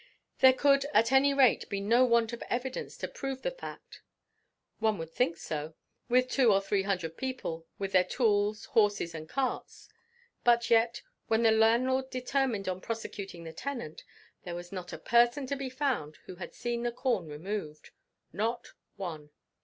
There could at any rate be no want of evidence to prove the fact. One would think so, with two or three hundred people with their tools, horses, and cars. But yet, when the landlord determined on prosecuting the tenant, there was not a person to be found who had seen the corn removed; not one.